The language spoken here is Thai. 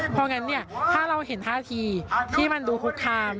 เพราะงั้นเนี่ยถ้าเราเห็นท่าทีที่มันดูคุกคาม